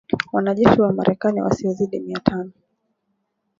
Wanajeshi wa Marekani wasiozidi mia tano